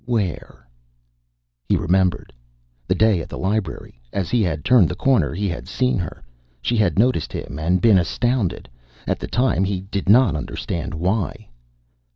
Where? He remembered. The day at the library. As he had turned the corner he had seen her. She had noticed him and been astounded. At the time, he did not understand why.